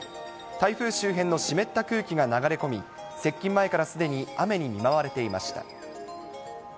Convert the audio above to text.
台風周辺の湿った空気が流れ込み、接近前からすでに雨に見舞われていました。